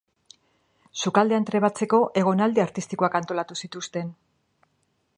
Sukaldean trebatzeko egonaldi artistikoak antolatu zituzten.